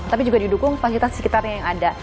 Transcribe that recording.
tapi juga didukung pangitan sekitarnya yang ada